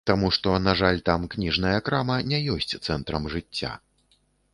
Таму што, на жаль, там кніжная крама не ёсць цэнтрам жыцця.